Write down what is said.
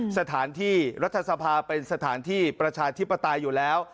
รัฐสภาเป็นสถานที่ประชาธิปตาอยู่แล้ว